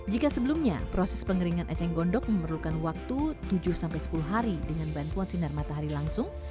jika sebelumnya proses pengeringan eceng gondok memerlukan waktu tujuh sepuluh hari dengan bantuan sinar matahari langsung